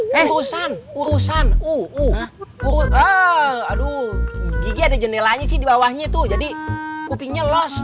ndeng urusan urusan uh uh brutal aduh ada jendelanya sih di bawahnya itu jadi kupingnya lost